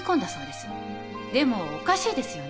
でもおかしいですよね？